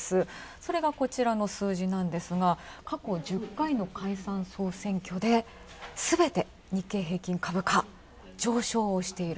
それが、こちらの数字なんですが過去１０回の解散・総選挙ですべて日経平均株価、上昇をしている。